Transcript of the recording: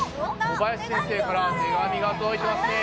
小林先生から手紙が届いてますね。